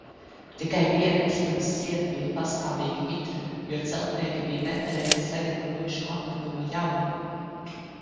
Tikai viena istabas siena bija pastāvīgi mitra, jo celtnieki bija nepareizi sagatavojuši apmetuma javu.